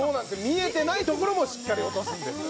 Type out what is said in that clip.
見えてない所もしっかり落とすんです。